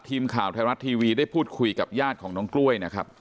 ทีมข่าวไทยรัฐทีวีได้พูดคุยกับญาติของน้องกล้วยนะครับ